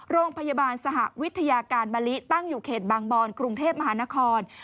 โรงพยาบาลสหวิทยาการมะลิตั้งอยู่เขตบางบอนกรุงเทพมหานคร